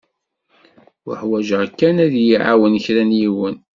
Uḥwaǧeɣ kan ad yi-iɛawen kra n yiwen.